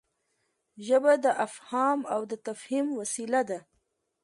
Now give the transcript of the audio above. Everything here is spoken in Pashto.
ژبه د افهام او تفهيم وسیله ده.